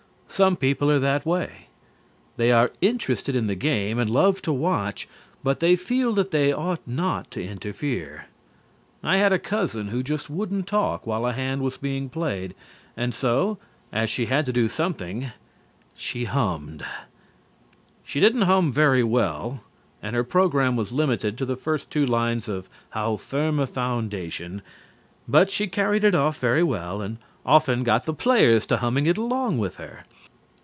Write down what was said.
Some people are that way. They are interested in the game, and love to watch but they feel that they ought not to interfere. I had a cousin who just wouldn't talk while a hand was being played, and so, as she had to do something, she hummed. She didn't hum very well, and her program was limited to the first two lines of "How Firm a Foundation," but she carried it off very well and often got the players to humming it along with her.